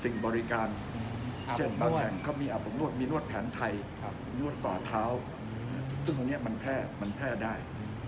สิ่งบริการเช่นบางอย่างมีอาบออกนวดมีนวดแผนไทยนวดฝาเท้าซึ่งตรงนี้มันแพ่ได้